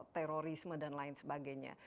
terorisme dan lain sebagainya